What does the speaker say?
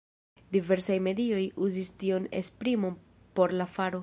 Diversaj medioj uzis tiun esprimon por la faro.